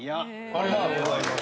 ありがとうございます。